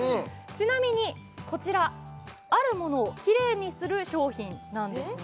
ちなみにこちらあるものをキレイにする商品なんですね